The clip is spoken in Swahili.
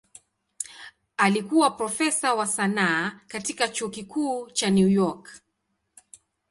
Alikuwa profesa wa sanaa katika Chuo Kikuu cha New York.